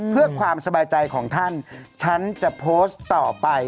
เพื่อความสบายใจของท่านฉันจะโพสต์ต่อไป